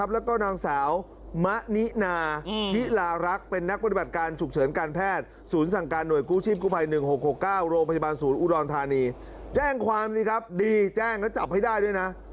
๑๖๖๙โรงพยาบาลศูนย์อุดรณฑานีแจ้งความดีครับดีแจ้งแล้วจับให้ได้ด้วยนะ